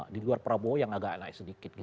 di luar prabowo yang agak enak sedikit gitu